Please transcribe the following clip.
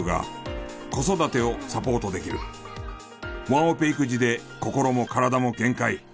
ワンオペ育児で心も体も限界。